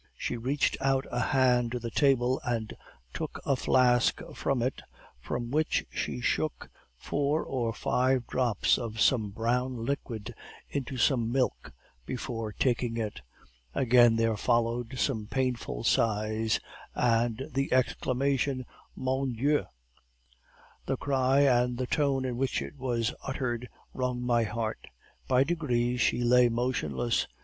She reached out a hand to the table, and took a flask from it, from which she shook four or five drops of some brown liquid into some milk before taking it; again there followed some painful sighs, and the exclamation, 'Mon Dieu!' "The cry, and the tone in which it was uttered, wrung my heart. By degrees she lay motionless.